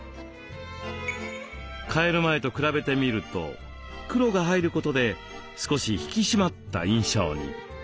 替える前と比べてみると黒が入ることで少し引き締まった印象に。